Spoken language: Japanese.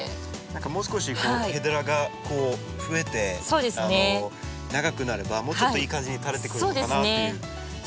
何かもう少しヘデラがふえて長くなればもうちょっといい感じに垂れてくれるのかなっていう。